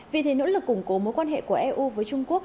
vì thế nỗ lực củng cố mối quan hệ của eu với trung quốc